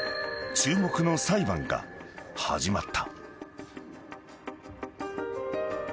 ［注目の裁判が始まった］